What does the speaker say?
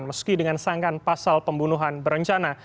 meski dengan sanggahan pasal pembunuhan berencana